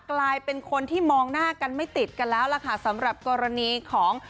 กลายเป็นคนที่มองหน้ากันไม่ติดกันแล้วล่ะค่ะสำหรับกรณีของ